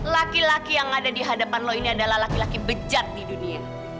laki laki yang ada di hadapan lo ini adalah laki laki bejat di dunia